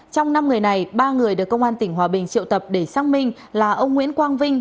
trong năm người này ba người được công an tỉnh hòa bình triệu tập để xác minh là ông nguyễn quang vinh